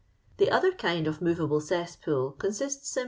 " The other kind of movable cesspool con sists sim.